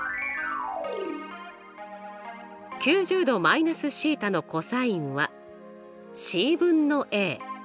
９０°−θのｃｏｓはｃ分の。